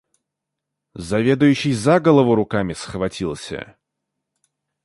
Заведующий за голову руками схватился.